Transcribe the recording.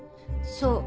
そう。